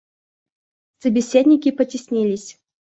Собеседники потеснились.